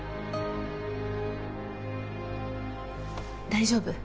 大丈夫。